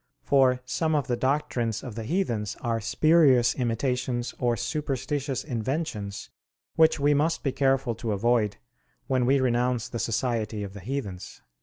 For some of the doctrines of the heathens are spurious imitations or superstitious inventions, which we must be careful to avoid when we renounce the society of the heathens."